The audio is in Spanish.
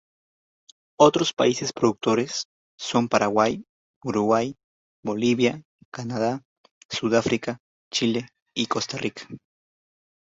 Otros países productores son Paraguay, Uruguay, Bolivia, Canadá, Sudáfrica, Chile y Costa Rica.